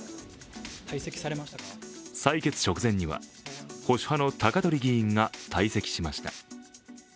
採決直前には、保守派の高鳥議員が退席しました。